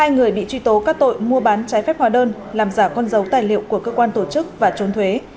hai người bị truy tố các tội mua bán trái phép hòa đơn làm giả con dấu tài liệu của cơ quan tổ chức và trốn thuế